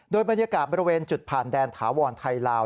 โดยบรรยากาศบริเวณจุดผ่านแดนถาวรไทยลาว